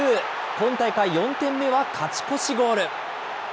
今大会４点目は勝ち越しゴール。